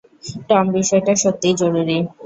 Tom, বিষয়টা সত্যিই জরুরী!